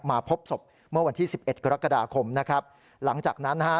มาพบศพเมื่อวันที่สิบเอ็ดกรกฎาคมนะครับหลังจากนั้นนะฮะ